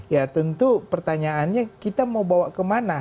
ya tentu pertanyaannya kita mau bawa kemana